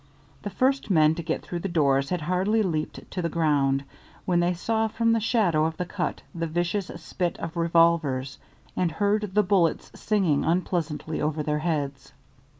The first men to get through the doors had hardly leaped to the ground when they saw from the shadow of the cut the vicious spit of revolvers and heard the bullets singing unpleasantly over their heads.